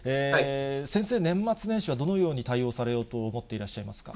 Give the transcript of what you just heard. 先生、年末年始はどのように対応されようと思っていらっしゃいますか。